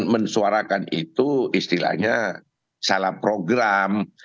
mensuarakan itu istilahnya salah program